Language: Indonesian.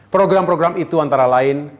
program program itu antara lain